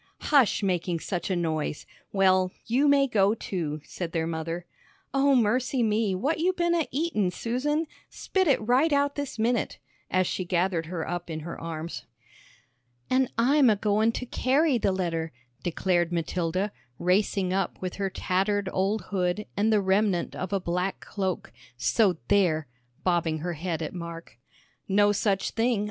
"Hush making such a noise! Well, you may go, too," said their mother. "Oh, mercy me, what you been a eatin', Susan? Spit it right out this minute," as she gathered her up in her arms. "An' I'm a goin' to carry th' letter," declared Matilda, racing up with her tattered old hood and the remnant of a black cloak, "so there!" bobbing her head at Mark. "No such thing.